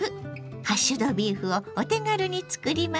ハッシュドビーフをお手軽に作ります。